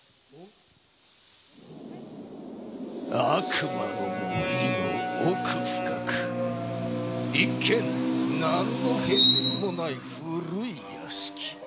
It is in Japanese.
悪魔の森の奥深く、一見なんの変哲もない古い屋敷。